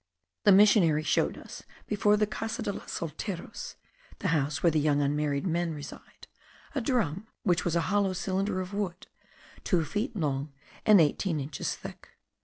The missionary showed us, before the Casa de los Solteros (the house where the young unmarried men reside), a drum, which was a hollow cylinder of wood, two feet long and eighteen inches thick.